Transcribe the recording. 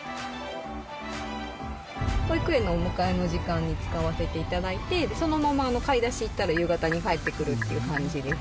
保育園のお迎えの時間に使わせていただいて、そのまま買い出し行ったら、夕方に帰ってくるっていう感じです。